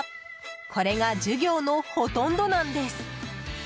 これが授業のほとんどなんです。